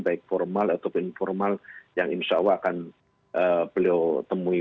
baik formal ataupun informal yang insya allah akan beliau temui